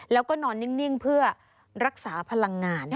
แล้วก็นอนนิ่งเพื่อรักษาพลังงาน